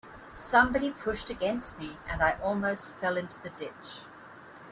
Somebody pushed against me, and I almost fell into the ditch.